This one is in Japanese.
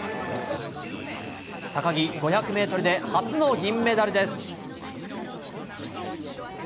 高木５００ｍで初の銀メダルです。